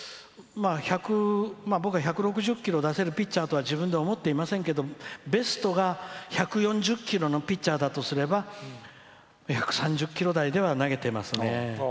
だから１００僕は１６０キロ出せるピッチャーだとは自分では思っていませんけどベストが１４０キロのピッチャーだとすれば１３０キロ台では投げてますね。